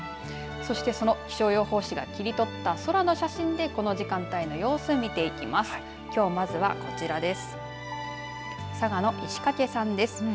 そしてその気象予報士が切り取った空の写真でこの時間帯の様子を見ていきます。